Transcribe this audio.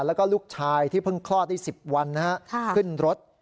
แล้วก็ลูกชายที่เพิ่งคลอดได้๑๐วันขึ้นรถ